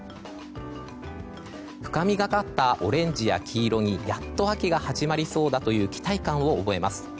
深みがかったオレンジや黄色にやっと秋が始まりそうだという期待感を覚えます。